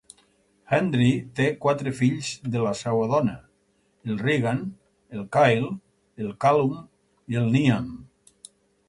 Hendry té quatre fills de la seva dona: el Rheagan, el Kyle, el Callum i el Niamh.